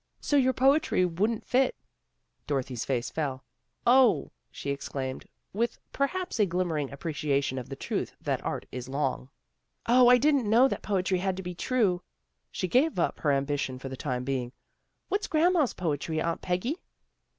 " So your poetry wouldn't fit." Dorothy's face fell. "Oh!" she exclaimed, with perhaps a glimmering appreciation of the truth that art is long. "Oh! I didn't know that poetry had to be true." She gave up her ambition for the time being. " What's grand ma's poetry, Aunt Peggy?